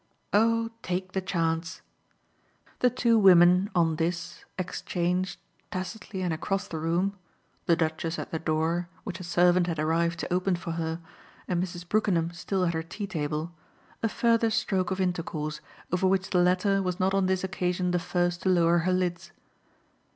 "Oh take the chance." The two women, on this, exchanged, tacitly and across the room the Duchess at the door, which a servant had arrived to open for her, and Mrs. Brookenham still at her tea table a further stroke of intercourse, over which the latter was not on this occasion the first to lower her lids.